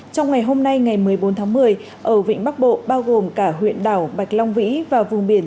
trong ngày hôm nay ngày một mươi bốn tháng một mươi ở vịnh bắc bộ bao gồm cả huyện đảo bạch long vĩ và vùng biển